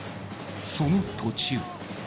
その途中。